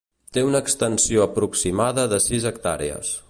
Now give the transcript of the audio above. Té una extensió aproximada de sis hectàrees.